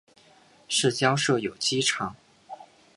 市郊设有机场。